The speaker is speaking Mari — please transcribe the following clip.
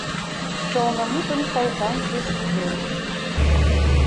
Сылнымутын сай таҥже студент.